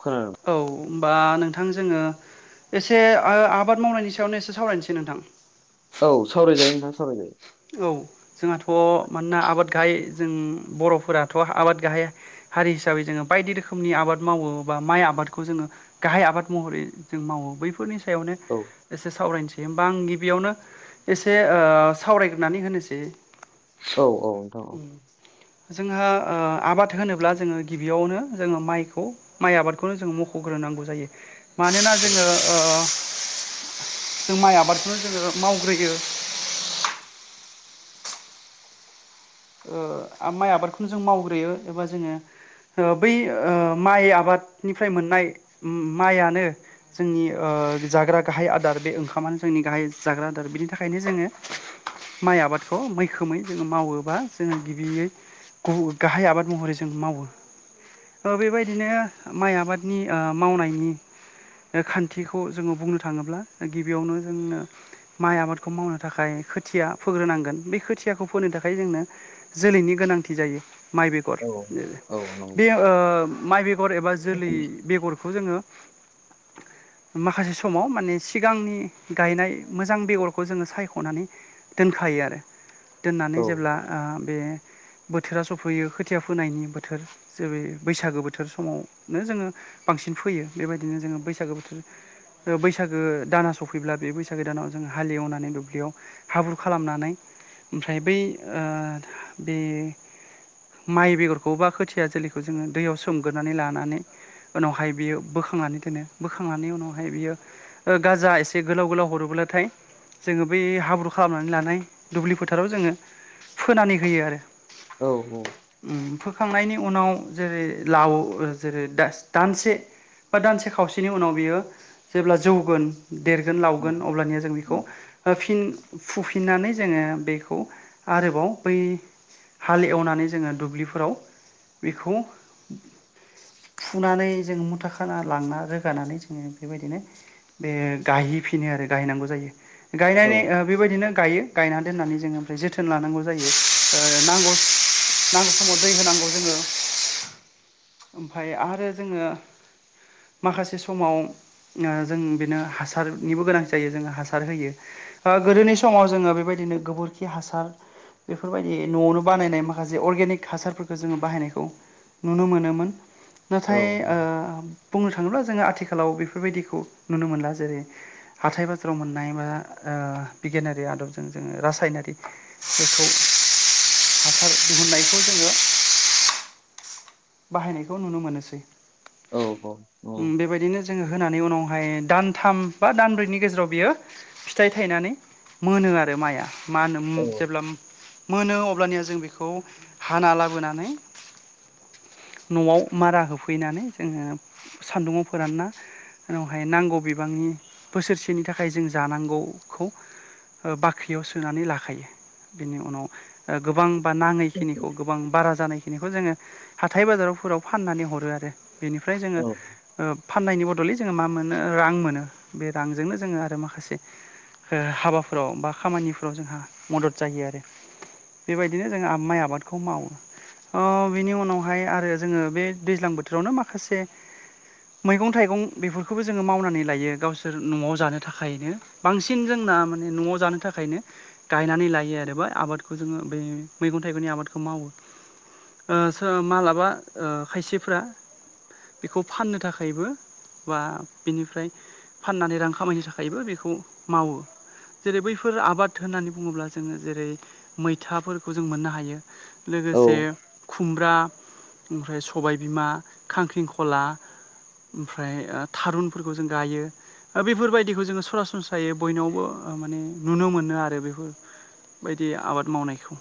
खोनादों औ होनोमबा नोंथां जोङो एसे आबाद मावनायनि सायावनो एसे सावरायनोसै नोंथां औ सावरायजायो नोंथां सावरायजायो औ जोंहाथ' मानोना आबाद गाहाय जों बर'फोराथ' आबाद गाहाय हारि हिसाबै जोङो बायदि रोखोमनि आबाद मावो बा माइ आबादखौ जोङो गाहाय आबाद महरै जों मावो बैफोरनि सायावनो औ एसे सावरायनोसै होमबा आं गिबियावनो एसे सावरायग्रोनानै होनोसै औ औ नोंथां औ जोंहा आबाद होनोब्ला जोङो गिबियावनो जोङो माइखौ माइ आबादखौनो जोङो मख'ग्रोनांगौ जायो। मानोना औ जोङो जों माइ आबादखौनो जोङो मावग्रोयो माइ आबादखौनो जों मावग्रोयो एबा जोङो ओ बै माइ आबादनिफ्राय मोननाय माइयानो जोंनि जाग्रा गाहाय आदार बे ओंखामानो जोंनि गाहाय जाग्रा आदार बिनि थाखायनो जोङो माइ आबादखौ मैखोमै जोङो मावोबा जोङो गिबियै गाहाय आबाद महरै जों मावो बेबायदिनो माइ आबादनि मावनायनि खान्थिखौ जोङो बुंनो थाङोब्ला गिबियावनो जोंनो माइ आबादखौ मावनो थाखाय खोथिया फोग्रोनांगोन बे खोथियाखौ फोनो थाखाय जोंनो जोलैनि गोनांथि जायो माइ बेगर औ औ नंगौ बे माइ बेगर एबा जोलै बेगरखौ जोङो [inaudible] माखासे समाव माने सिगांनि गायनाय मोजां बेगरखौ जोङो सायख'नानै दोनखायो आरो दोननानै औ जेब्ला बे बोथोरा सफैयो खोथिया फोनायनि बोथोर जेरै बैसागो बोथोर समावनो जोङो बांसिन फैयो बेबायदिनो जोङो बैसागो बोथोर बैसागो दाना सफैब्ला बे बैसागो दानाव जोंङो हालेवनानै दुब्लियाव हाब्रु खालामनानै ओमफ्राय ओ बै बे माइ बेगरखौ बा खोथिया जोलैखौ जोङो दैयाव सोमगोरनानै लानानै उनावहाय बियो बोखांनानै दोनो बोखांनानै उनावहाय बियो गाजा एसे गोलाव गोलाव हरोबोलाथाय जोङो बै हाब्रु खालामनानै लानाय दुब्लि फोथाराव जोङो फोनानै होयो आरो। औ ओम ओम फोखांनायनि उनाव जेरै लाव जेरै दानसे बा दानसे खावसेनि उनाव बियो जेब्ला जौगोन देरगोन औ लावगोन अब्लानिया जों बेखौ फिन फुफिननानै जोङो बेखौ आरोबाव बै हाल एवनानै जोङो दुब्लिफोराव बेखौ फुनानै जोंङो मुथा खाना लांना रोगानानै जोङो बेबायदिनो बे गायहैफिनो आरो गायनांगौ जायो। औ गायनानै बेबायदिनो गायो गायनानै दोन्नानै जोङो ओमफ्राय जोथोन जोथोन लानांगौ जायो नांगौ नांगौ समाव दै होनांगौ जोङो ओमफ्राय आरो जोङो माखासे समाव जों बेनो हासारनिबो गोनांथि जायो जों हासार होयो। ओ गोदोनि समाव जोङो बेबायदिनो गोबोरखि हासार बेफोरबायदि न'आवनो बानायनाय माखासे अर्गेनिक हासारफोरखौ जोङो बाहायनायखौ नुनो मोनो मोन। नाथाय ओ बुंनो थाङोब्ला जों आथिखा लाव बेफोरबायदिखौ नुनो मोनला जेरै हाथाय बाजाराव मोननाय बा ओ बिगियानारि आदबजों जोङो रासायनारि [unintelligible] बाहायनायखौ नुनो मोनोसै। औ ओम बेबायदिनो जोङो होनानै उनावहाय दान थाम बा दानब्रैनि गेजेराव बियो फिथाइ थायनानै मोनो आरो माइआ। मा होनो जेब्ला मोनो अब्लानिया जों बेखौ हाना लाबोनानै न'आव मारा होफैनानै जोङो सान्दुङाव फोरानना उनावहाय नांगौ बिबांनि बोसोरसेनि थाखाय जों जानांगौखौ ओ बाख्रियाव सोनानै लाखायो बिनि उनाव ओ गोबां बा नाङैखिनिखौ गोबां बारा जानायखिनिखौ जोङो हाथाय-बाजारावफोराव फाननानै हरो आरो बेनिफ्राय जोङो औ ओ फाननायनि बदलै जोङो मा मोनो रां मोनो बे रांजोंनो जोङो आरो माखासे हाबाफोराव बा खामानिफोराव जोंहा मदद जायो आरो। बेबायदिनो जोङो माइ आबादखौ मावो ओ बिनि उनाव बेहाय आरो जोङो बे दैज्लां बोथोरावनो माखासे मैगं-थाइगं बेफोरखौबो जोङो मावनानै लायो गावसोर न'आव जानो थाखायनो। बांसिन जोंना माने न'आव जानो थाखायनो गायनानै लायो आरो बा आबादखौ जोङो बे मैगं-थाइगंनि आबादखौ मावो, ओ ओ मालाबा ओ खायसेफोरा बिखौ फाननो थाखायबो बा बेनिफ्राय फाननानै रां खामायनो थाखायबो बेखौ मावो। जेरै बैफोर आबाद होननानै बुङोब्ला जोङो जेरै मैथाफोरखौ जों मोननो हायो। औ लोगोसे खुमब्रा, ओमफ्राय सबायबिमा, खांख्रिंखला ओमफ्राय ओ थारुनफोरखौ जों गायो। ओ बेफोरबायदिखौ जोङो सरासनस्रायै बयनावबो ओ माने नुनो मोनो आरो बेफोर बायदि आबाद मावनायखौ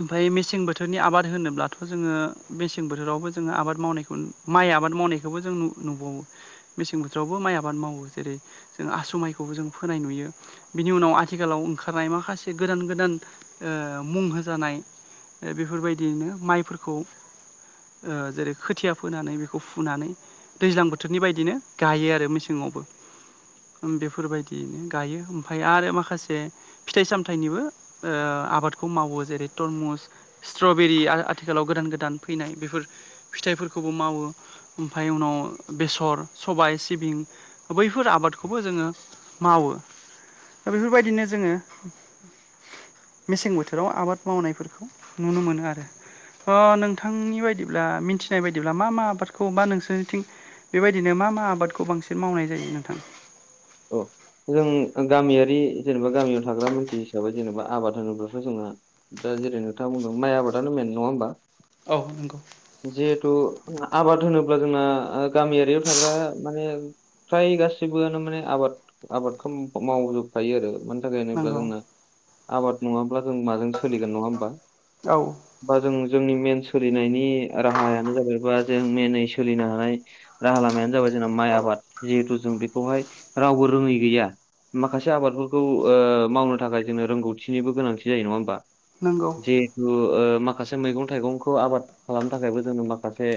ओमफाय मिस सिं बोथोरनि आबाद होनोब्लाथ' जोङो मेसें बोथोरावबो जोङो आबाद मावनायखौ माइ आबाद मावनायखौबो जों नु नुबावो मेसें बोथोरावबो माइ आबाद मावो जेरै जों आसु माइखौबो जों फोनाय नुयो। बिनि उनाव आथिखालाव ओंखारनाय माखासे गोदान गोदान ओ मुं होजानाय ओ बेफोरबायदियैनो माइफोरखौ जेरै खोथिया फोनानै बेखौ फुनानै दैज्लां बोथोरनि बायदिनो गायो आरो मेसेङावबो ओम बेफोरबायदियैनो गायो ओमफाय आरो माखासे फिथाइ-सामथाइनिबो ओ आबादखौ मावो जेरै तरमुस स्ट्रबेरि आरो आथिखालाव गोदान गोदान फैनाय बेफोर फिथाइफोरखौबो मावो ओमफाय उनाव बेसर, सबाय, सिबिं बैफोर आबादखौबो जोङो मावो दा बेफोरबायदिनो जोङो मेसें बोथोराव आबाद मावनायफोरखौ नुनो मोनो आरो अ नोंथांनि बायदिब्ला मिथिनाय बायदिब्ला मा मा आबादखौ मा नोंसोरनिथिं बेबायदिनो मा मा आबादखौ बांसिन मावनाय जायो नोंथां औ जों गामियारि जेनेबा गामियाव थाग्रा मानसि हिसाबै जेनेबा आबाद होनोब्लाथ' जोंहा दा जेरै नोंथाङा बुंदों माइ आबादानो मेन नङा होमबा? औ नंगौ। जिहेथु आबाद होनोब्ला जोंना गामियारियाव थाग्रा माने फ्राय गासिबोआनो माने आबाद आबादखौ मावजोबखायो आरो मानि थाखाय होनोब्ला नंगौ जोंना आबाद नङाब्ला जों माजों सोलिगोन नङा होमबा औ बा जों जोंनि मेन सोलिनायनि राहायानो जाहैबा जों मेनै सोलिनो हानाय राहा लामायानो जाबाय जोंना माइ आबाद जिहेथु जों बेखौहाय रावबो रोङै गैया माखासे आबादफोरखौ मावनो थाखाय जोंनो रोंगौथिनिबो गोनांथि जायो नङा होमबा नोंगौ जिहेथु माखासे मैगं थाइगंखौ आबाद खालामनो थाखायबो जोङो माखासे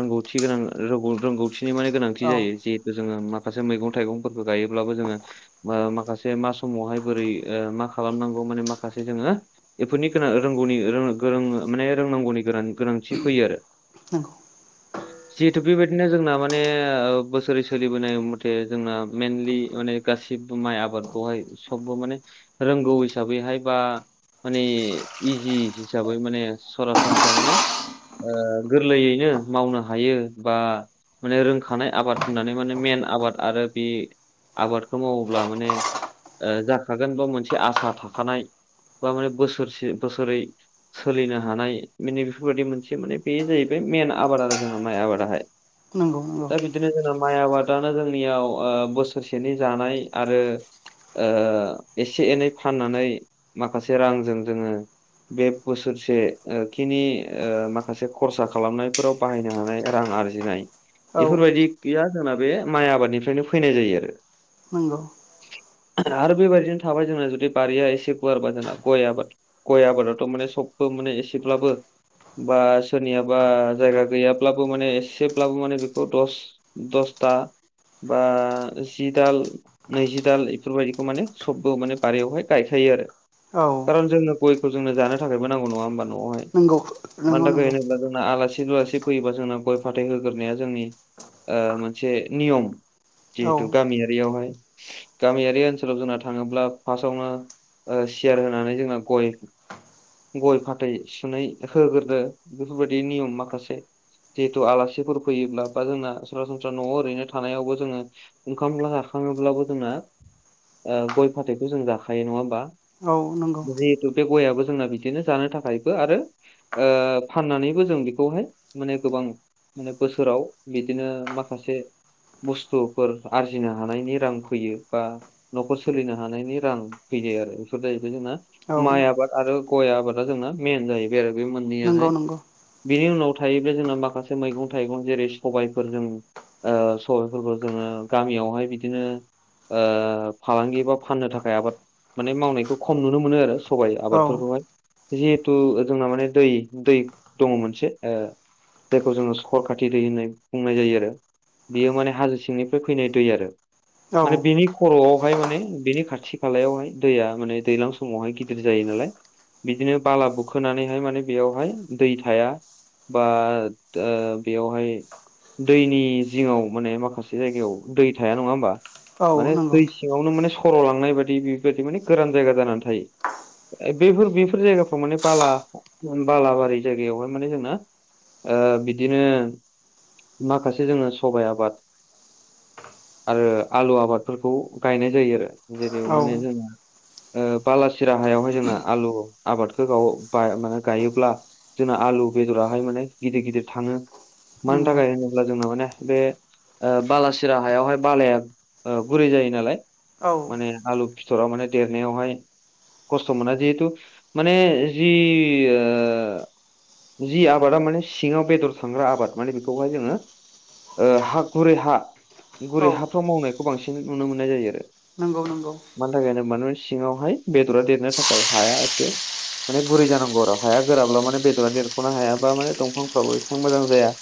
रोंगौथि गोनां रोंगौथिनि माने गोनांथि औ जायो जिहेथु जोङो माखासे मैगं थाइगंफोरखौ गायोब्लाबो जोङो माखासे मा समावहाय बोरै मा खालामनांगौ माने माखासे जोङो बेफोरनि गोनां रोंगौनि गोरों माने रोंनांगौनि गोनान गोनांथि फैयो आरो नंगौ जिहेथु बेबायदिनो जोंना माने बोसोरै सोलिबोनाय मथे जोंना मेइनलि माने गासिबो माइ आबादखौहाय सबबो माने रोंगौ हिसाबैहाय बा माने इजि हिसाबै माने सरासनस्रा माने ओ गोरलैयैनो मावनो हायो बा माने रोंखानाय आबाद होननानै माने मेन आबाद आरो बे आबादखौ मावोब्ला माने जाखागोन बा मोनसे आसा थाखानाय बा माने बोसोरसे बोसोरै सोलिनो हानाय माने बेफोरबादि मोनसे माने बेयो जाहैबाय मेन आबाद आरो जोंना माइ आबादाहाय नंगौ नंगौ दा बिदिनो जोंना माइ आबादानो जोंनियाव बोसोरसेनि जानाय आरो एसे एनै फाननानै माखासे रांजों जोङो बे बोसोरसे खिनि माखासे खरसा खालामनायफोराव बाहायनो हानाय रां आरजिनाय औ बेफोरबायदि गैया जोंना बे माइ आबादनिफ्रायनो फैनाय जायो आरो नंगौ आरो बे बायदिनो थाबाय जोंना जुदि बारिया एसे गुवारबा जोंना गय‌ आबाद गय आबादाथ' माने सबबो माने एसेब्लाबो बा सोरनियाबा जायगा गैयाब्लाबो माने एसेब्लाबो माने बेखौ दस दसथा बा जिदाल नैजि दाल बेफोरबायाददिखौ माने सबबो माने बारियावहाय गायखायो आरो औ खारन जोंनो गयखौ जोंनो जानो थाखायबो नांगौ नङा होमबा न'आवहाय नंगौ मानि नंगौ थाखाय नंगौ होनोब्ला जोंना आलासि उलासि फैयोबा जोंना गय फाथै होग्रोनाया जोंनि ओ मोनसे नियम औ जेहेथु गामियारियावहाय गामियारि ओनसोलाव जोंना थाङोब्ला फार्स्टआवनो सियार होनानै जोंना गय गय फाथै सुनै होग्रोदो बेफोरबायदि नियम माखासे जिहेतु आलासिफोर फैयोब्ला बा जोंना सरासनस्रा न'आव ओरैनो थानायावबो जोङो ओंखाम जाखाङोब्लाबो जोंना ओ गय फाथैखौ जों जाखायो नङा होमबा नोंगौ जिहेतु बे गयाबो जोंना बिदिनो जानो थाखायबो आरो ओ फाननानैबो जों बेखौहाय माने गोबां बोसोराव बिदिनो माखासे बुस्थुफोर आरजिनो हानायनि रां फैयो बा न'खर सोलिनो हानायनि रां फैयो आरो बेफोर जाहैबाय जोंना औ माइ आबाद आरो गय आबादा जोंना मेन जाहैबाय आरो बे नंगौ मोननैयाहाय नंगौ बिनि उनाव थायोब्ला जोंना माखासे मैगं थाइगं जेरै सबायाइफोर जों ओ सबाइफोरखौ जोङो गामियावहाय बिदिनो ओ फालांगि बा फाननो थाखाय आबाद माने मावनायखौ खम नुनो मोनो आरो सबाइ औ आबादफोरखौहाय जिहेथु जोंना माने दै दै दङ मोनसे ओ जायखौ जोङो सकर खाथि दै होननाय बुंनाय जायो आरो बियो माने हाजो सिंनिफ्राय फैनाय दै आरो औ माने बिनि खर'आवहाय माने बेनि खाथि खालायावहाय दैया माने दैजलां समावहाय गिदिर जायो नालाय बिदिनो बाला बुखोनानैहाय माने बेयावहाय दै थाया बा ओ बेयावहाय दैनि जिङाव माने माखासे जायगायाव दै थाया नङा होनोमबा औ माने नंगौ दै सिङावनो माने सर लांनाय बायदि बेबायदि माने गोरान जायगा जानानै थायो बेफोर बेफोर जायगाफ्राव माने बाला बालाबारि जायगायावहाय माने जोंना ओ बिदिनो माखासे जोङो सबायाइ आबाद आरो आलु आबादफोरखौ गायनाय जायो आरो जेरै माने औ जों ओ बालासिरा हायावहाय जोंना आलु आबादखौ गाव मे गायोब्ला जोंना आलु बेदराहाय माने गिदिर गिदिर थाङो मानि नंगौ थाखाय होनोब्ला जोंना माने बे बालासिरा हायावहाय बालाया गुरै जायो नालाय औ माने आलु फिथरा माने देरनायावहाय खस्थ मोना जिहेथु माने जि आ जि आबादा माने सिङाव बेदर थांग्रा आबाद माने बेखौहाय जोङो ओ हा गुरै हा गुरै औ हाफ्राव मावनायखौ बांसिन नुनो मोननाय जायो आरो नंगौ नंगौ मानि थाखायनोबा नों सिङावहाय बेदरा देरनो थाखाय हाया एसे माने गुरै जानांगौ आरो हाया गोराब्ला माने बेदरा देरखनो हायाबा माने दंफांफ्राबो एसेबां मोजां जाया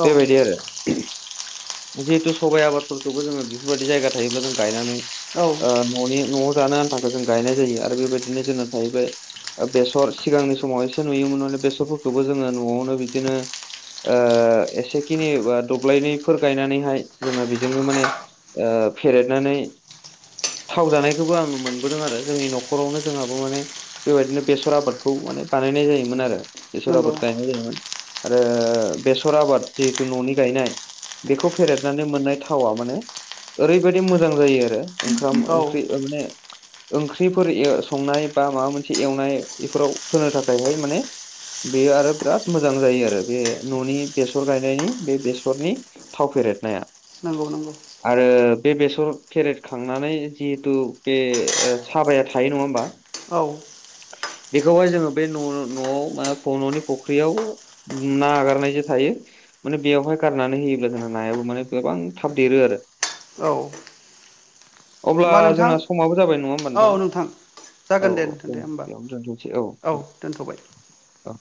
औ बेबायदि आरो जिहेतु सबाइ आबादफोरखौबो जोङो बेफोरबायदि जायगा थायोब्ला जों गायनानै औ न'नि न'आव जानो आन्थाखौ जों गायनाय जायो आरो बेबायदिनो जोंना थाहैबाय बेसर सिगांनि समाव एसे नुयोमोन माने बेसरफोरखौबो जोङो न'आवनो बिदिनो ओ एसेखिनि बा दब्लायनैफोर गायनानैहाय जोंना बेजोंनो माने ओ फेरेदनानै थाव जानायखौबो आं मोनबोदों आरो जोंनि न'खरावनो जोंहाबो माने बेबायदिनो बेसर आबादखौ माने बानायनाय जायोमोन आरो बेसर नंगौ आबाद गायनाय जायोमोन आरो बेसर आबाद जिहेतु न'नि गायनाय बेखौ फेरेदनानै मोननाय थावा माने ओरैबायदि मोजां जायो आरो ओंखाम औ ओंख्रि माने ओंख्रिफोर संनाय बा माबा मोनसे एवनाय बेफोराव होनो थाखायहाय माने बेयो आरो बिराद मोजां जायो आरो बे न'नि बेसर गायनायनि बे बेसरनि थाव फेरेदनाया नांगौ नांगौ आरो बे बेसर फेरेट खांनानै जिहेथु बे साबाया थायो नङा होमबा औ बेखौहाय जोङो बे न' न'आव न'नि फुख्रियाव ना हागारनाय जे थायो माने बेवहाय गारनानै होयोब्ला जोंना नायाबो माने गोबां थाब देरो आरो औ अब्ला नोंथां जोंना समाबो जाबाय नङा होमबा नोंथां औ जागोन औ औ बेयावनो दोनथ'सै औ नोंथां दोन्थ'बाय औ